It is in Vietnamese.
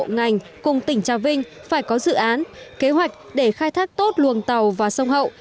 ngành cùng tỉnh trà vinh phải có dự án kế hoạch để khai thác tốt luồng tàu và sông hậu